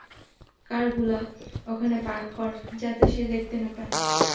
কার গুলো ওখানে পার্ক কর যাতে সে দেখতে না পায়।